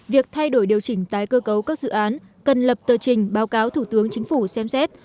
việc thay đổi điều chỉnh tái cơ cấu các dự án cần lập tờ trình báo cáo thủ tướng chính phủ xem xét